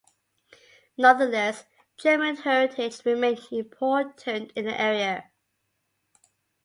Nonetheless, German heritage remained important in the area.